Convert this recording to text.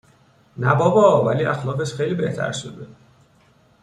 نه بابا ولی اخلاقش خیلی بهتر شده